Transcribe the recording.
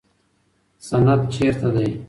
سند چیرته دی؟